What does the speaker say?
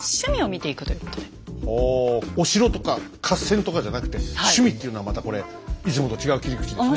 ただお城とか合戦とかじゃなくて趣味っていうのはまたこれいつもと違う切り口ですね。